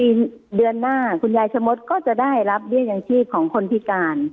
เดือนหน้าคุณยายชะมดก็จะได้รับเบี้ยยังชีพของคนพิการ